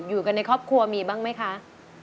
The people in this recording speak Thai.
อยู่กันในครอบครัวมีบ้างไหมคะ